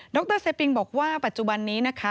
รเซปิงบอกว่าปัจจุบันนี้นะคะ